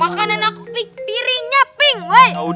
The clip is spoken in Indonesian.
makanan aku piringnya pink